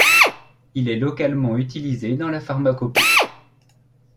Il est localement utilisé dans la pharmacopée.